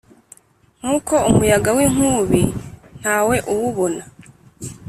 Nk’uko umuyaga w’inkubi nta we uwubona,